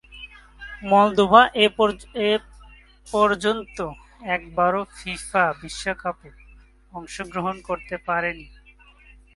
Moldova এপর্যন্ত একবারও FIFA বিশ্বকাপে অংশগ্রহণ করতে পারেনি।